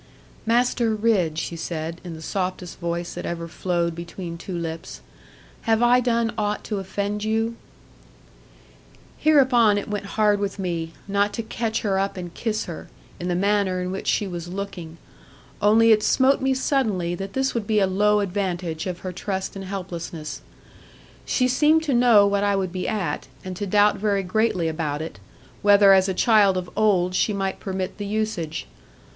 'Master Ridd,' she said in the softest voice that ever flowed between two lips, 'have I done aught to offend you?' Hereupon it went hard with me, not to catch her up and kiss her, in the manner in which she was looking; only it smote me suddenly that this would be a low advantage of her trust and helplessness. She seemed to know what I would be at, and to doubt very greatly about it, whether as a child of old she might permit the usage.